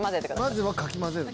まずはかき混ぜる。